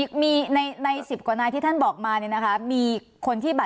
เฉพาะวันที่๑๓มีตัวเลขไหมคะ